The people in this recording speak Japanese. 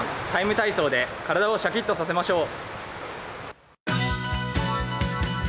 ＴＩＭＥ，体操」で体をシャキッとさせましょう。